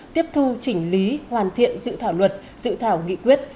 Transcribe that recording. tiếp thu chỉnh lý hoàn thiện dự thảo luật dự thảo nghị quyết